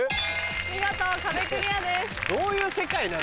見事壁クリアです。